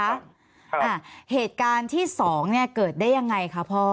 อ่าเหตุการณ์ที่สองเนี้ยเกิดได้ยังไงคะพ่อ